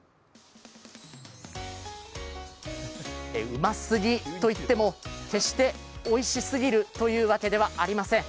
ウマスギといっても、決しておいしすぎるというわけではありません。